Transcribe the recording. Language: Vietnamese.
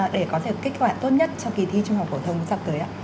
để có thể kết quả tốt nhất cho kỳ thi trung học phổ thông sắp tới